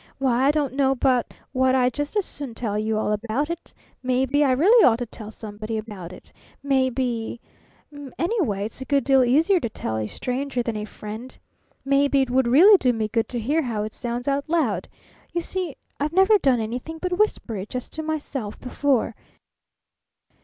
Why, I don't know but what I'd just as soon tell you all about it. Maybe I really ought to tell somebody about it. Maybe anyway, it's a good deal easier to tell a stranger than a friend. Maybe it would really do me good to hear how it sounds out loud. You see, I've never done anything but whisper it just to myself before.